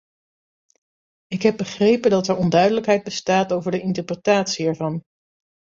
Ik heb begrepen dat er onduidelijkheid bestaat over de interpretatie ervan.